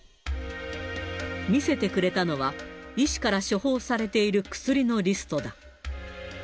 見せてくれたのは、医師から処方されている薬のリストだ。